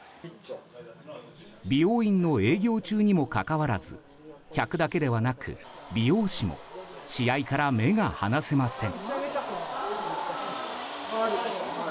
美容院の営業中にもかかわらず客だけではなく美容師も試合から目が離せません。